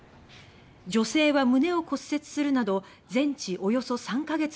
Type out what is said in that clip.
女性は胸を骨折するなど全治およそ３か月の重傷です。